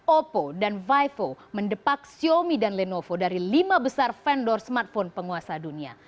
oppo dan vivo mendepak xiaomi dan lenovo dari lima besar vendor smartphone penguasa dunia